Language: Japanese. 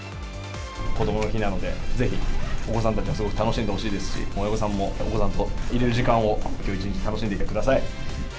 こどもの日なので、是非お子さんたちには楽しんでほしいですし親御さんもお子さんといる時間を今日一日楽しんでいってください。